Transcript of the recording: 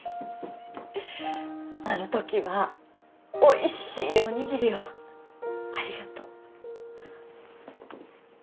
あの時はおいしいおにぎりをありがとう。